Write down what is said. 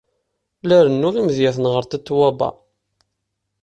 La rennuɣ imedyaten ɣer Tatoeba.